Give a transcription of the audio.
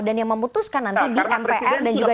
dan yang memutuskan nanti di mpr dan juga dpr